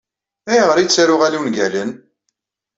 Ayɣer ay ttaruɣ ala ungalen?